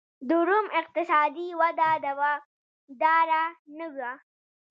د روم اقتصادي وده دوامداره نه وه